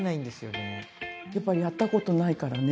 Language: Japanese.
やっぱやったことないからね。